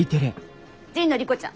神野莉子ちゃん